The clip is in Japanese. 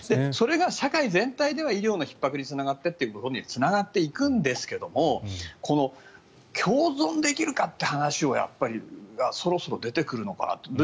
それが社会全体で医療のひっ迫につながってということになっていくんですけど共存できるかって話がそろそろ出てくるのかなと。